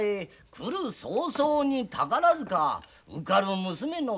来る早々に宝塚受かる娘の験のよさ。